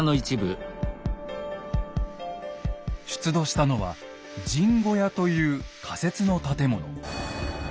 出土したのは「陣小屋」という仮設の建物。